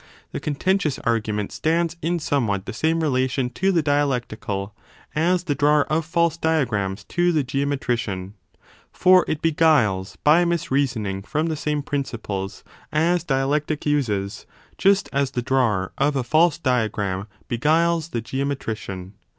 The contentious argument stands in somewhat the 35 same relation to the dialectical as the drawer of false dia grams to the geometrician ; for it beguiles by misreasoning from the same principles as dialectic uses, just as the drawer of a false diagram beguiles the geometrician.